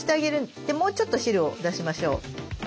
でもうちょっと汁を出しましょう。